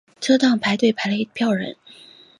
车站排队排了一票人